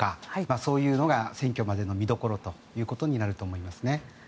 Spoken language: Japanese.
そういうのが選挙までの見どころになると思いますね。